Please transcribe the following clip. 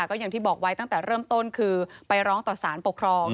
ก็อย่างที่บอกไว้ตั้งแต่เริ่มต้นคือไปร้องต่อสารปกครอง